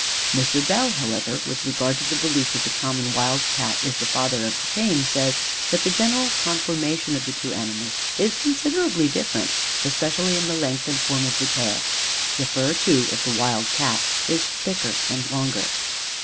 Mr. Bell, however, with regard to the belief that the common wild Cat is the father of the tame, says, that the general conformation of the two animals is considerably different, especially in the length and form of the tail. The fur, too, of the wild Cat is thicker and longer.